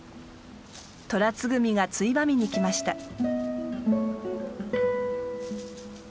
トラツグミがついばみに来ました。